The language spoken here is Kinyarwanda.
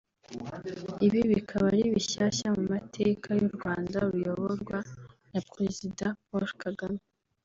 Ibi bikaba ari bishyashya mu mateka y’u Rwanda ruyoborwa na Président Paul Kagame